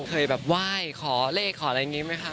เคยแบบไหว้ขอเลขขออะไรอย่างนี้ไหมคะ